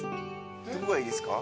どこがいいですか？